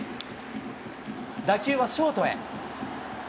打球はショートへ。